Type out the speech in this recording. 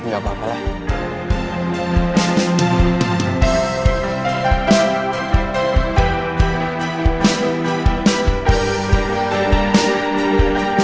gak apa apa lah